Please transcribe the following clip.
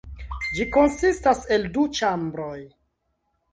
Ĝi konsistas el du ĉambroj.